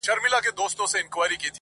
خداى دي كړي خير گراني څه سوي نه وي.